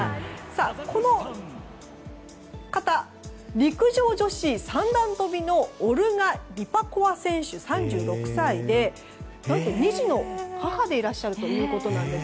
この方、陸上女子三段跳びのオルガ・リパコワ選手、３６歳で何と２児の母でいらっしゃるということなんです。